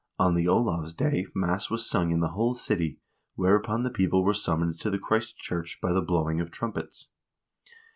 On the Olavsday mass was sung in the whole city, whereupon the people were summoned to the Christ church by the blowing of trumpets.